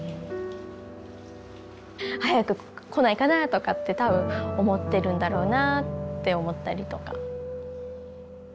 早く来ないかなとかって多分思ってるんだろうなって思ったりとか。